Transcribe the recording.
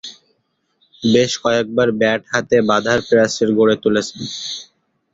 বেশ কয়েকবার ব্যাট হাতে বাঁধার প্রাচীর গড়ে তুলেছেন।